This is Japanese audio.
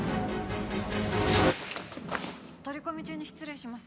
取り込み中に失礼します。